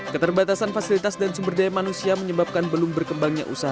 keterbatasan fasilitas dan sumber daya manusia menyebabkan belum berkembangnya usaha